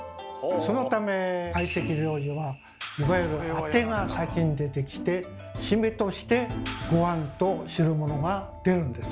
そのため会席料理はいわゆるアテが先に出てきてシメとしてごはんと汁物が出るんです。